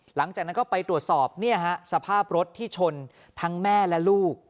หลังจากนั้นก็ไปตรวจสอบสภาพรถที่ชนทั้งแม่และลูก